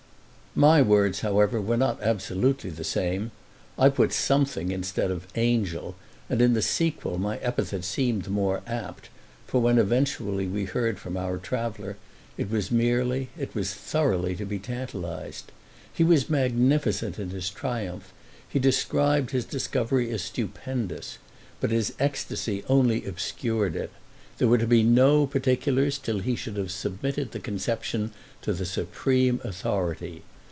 MY words however were not absolutely the same—I put something instead of "angel"; and in the sequel my epithet seemed the more apt, for when eventually we heard from our traveller it was merely, it was thoroughly to be tantalised. He was magnificent in his triumph, he described his discovery as stupendous; but his ecstasy only obscured it—there were to be no particulars till he should have submitted his conception to the supreme authority.